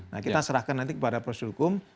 nah kita serahkan nanti kepada proses hukum